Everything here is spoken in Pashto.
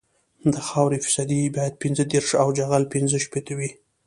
د خاورې فیصدي باید پنځه دېرش او جغل پینځه شپیته وي